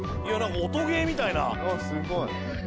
音ゲーみたい。